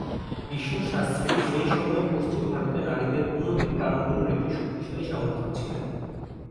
বিষ্ণু শাস্ত্রী সেই সময়ে পশ্চিম ভারতে নারীদের উন্নতির কারণগুলির একটি শক্তিশালী সমর্থক ছিলেন।